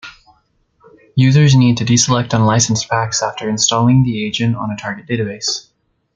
Users need to de-select unlicensed packs after installing the agent on a target database.